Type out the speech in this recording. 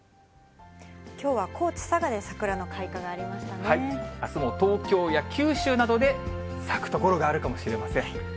きょうは高知、佐賀で桜の開あすも、東京や九州などで、咲く所があるかもしれません。